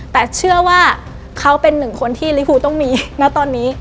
แต่เชื่อว่าเขาเป็นหนึ่งคนที่ลิฟูต้องมีณตอนนี้